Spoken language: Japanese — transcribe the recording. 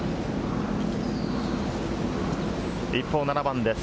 一方、７番です。